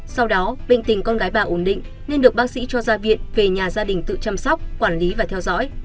sau đó bệnh tình con gái bà ổn định nên được bác sĩ cho ra viện về nhà gia đình tự chăm sóc quản lý và theo dõi